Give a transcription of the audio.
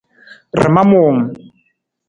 Rama muuwung.